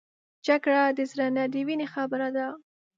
جګړه د زړه نه د وینې خبره ده